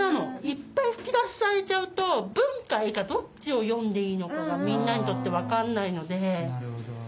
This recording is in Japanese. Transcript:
いっぱい吹き出しされちゃうと文か絵かどっちを読んでいいのかみんなにとって分かんないので。